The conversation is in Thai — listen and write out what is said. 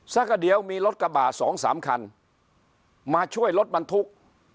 ซะก็เดี๋ยวมีรถกระบะสองสามคันมาช่วยรถบรรทุก